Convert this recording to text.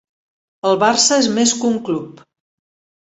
El Barça és més que un club.